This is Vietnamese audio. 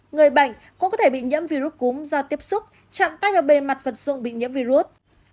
người bệnh cũng có thể bị nhiễm virus cúm do tiếp xúc chạm tách ở bề mặt vật dụng bị nhiễm virus